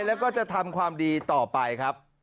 แล้วก็จะทำความดีต่อไปครับ